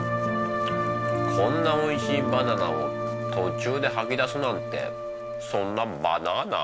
こんなおいしいバナナを途中ではき出すなんてそんなバナナ！